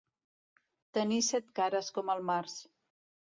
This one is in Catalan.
Tenir set cares com el març.